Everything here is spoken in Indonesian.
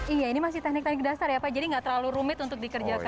iya ini masih teknik teknik dasar ya pak jadi nggak terlalu rumit untuk dikerjakan